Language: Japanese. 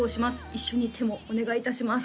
一緒に手もお願いいたします